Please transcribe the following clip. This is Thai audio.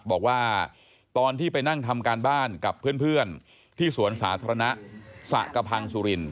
บอกว่าตอนที่ไปนั่งทำการบ้านกับเพื่อนที่สวนสาธารณะสระกระพังสุริน